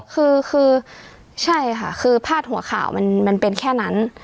คือคือใช่ค่ะคือพาดหัวข่าวมันเป็นแค่นั้น